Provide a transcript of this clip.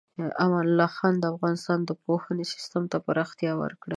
امان الله خان د افغانستان د پوهنې سیستم ته پراختیا ورکړه.